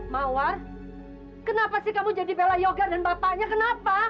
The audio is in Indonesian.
mawar kenapa sih kamu jadi bela yoga dan bapaknya kenapa